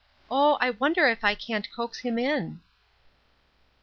Oh, I wonder if I can't coax him in?"